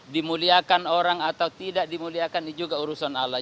dimuliakan orang atau tidak dimuliakan juga urusan allah